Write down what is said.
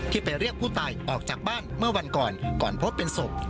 ไปเรียกผู้ตายออกจากบ้านเมื่อวันก่อนก่อนพบเป็นศพ